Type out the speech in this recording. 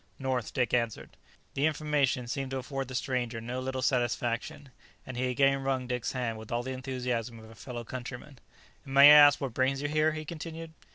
"North," Dick answered. The information seemed to afford the stranger no little satisfaction, and he again wrung Dick's hand with all the enthusiasm of a fellow countryman. "And may I ask what brings you here?" he continued.